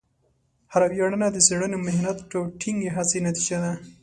هره ویاړنه د څېړنې، محنت، او ټینګې هڅې نتیجه ده.